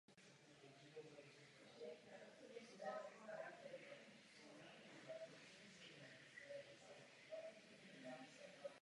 Zasloužil se o rozvoj železnic v regionu severních Čech.